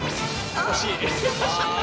惜しい。